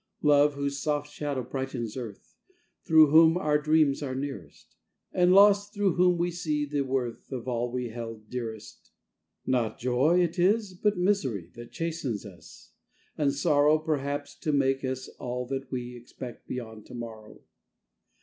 Love, whose soft shadow brightens Earth, Through whom our dreams are nearest; And loss, through whom we see the worth Of all that we held dearest. Not joy it is, but misery That chastens us, and sorrow; Perhaps to make us all that we Expect beyond To morrow.